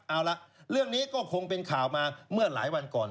เอาละเรื่องนี้ก็คงเป็นข่าวมาเมื่อหลายวันก่อน